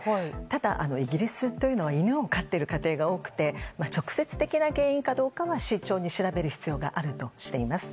ただ、イギリスというのは犬を飼っている家庭が多くて直接的な原因かどうかは慎重に調べる必要があるとしています。